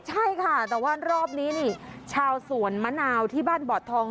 ใช่ค่ะแต่ว่ารอบนี้นี่ชาวสวนมะนาวที่บ้านบอดทอง